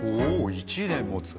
１年もつ。